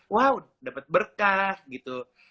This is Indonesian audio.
wow dapet berkah gitu